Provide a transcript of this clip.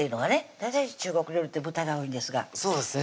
大体中国料理って豚が多いですがそうですね